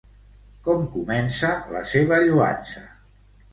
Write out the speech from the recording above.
Com comença la seva lloança?